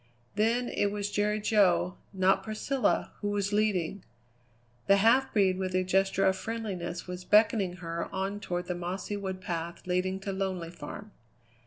Then it was Jerry Jo, not Priscilla, who was leading. The half breed with a gesture of friendliness was beckoning her on toward the mossy wood path leading to Lonely Farm.